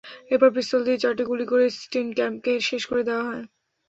এরপর পিস্তল দিয়ে চারটি গুলি করে স্টিনক্যাম্পকে শেষ করে দেওয়া হয়।